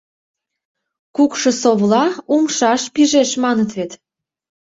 «Кукшо совла умшаш пижеш» маныт вет...